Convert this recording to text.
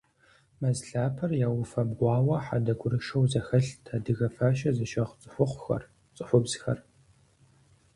Мэз лъапэр яуфэбгъуауэ хьэдэ гурышэу зэхэлът адыгэ фащэ зыщыгъ цӀыхухъухэр, цӀыхубзхэр.